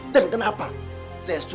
dan kenapa saya suruh kalian semua